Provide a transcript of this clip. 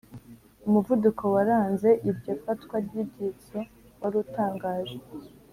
umuvuduko waranze iryo fatwa ry'ibyitso wari utangaje.